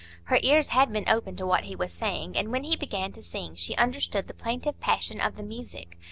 Her ears had been open to what he was saying, and when he began to sing, she understood the plaintive passion of the music.